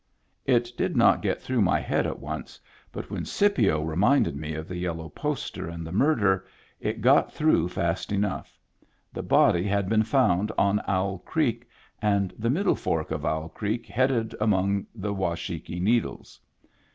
It did not get through my head at once, but when Scipio reminded me of the yellow poster and the mur der, it got through fast enough: the body had been found on Owl Creek, and the middle fork of Owl Creek headed among the Washakie Needles.